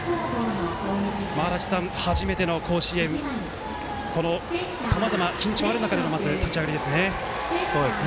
足達さん、初めての甲子園さまざま緊張がある中でのまず、立ち上がりですね。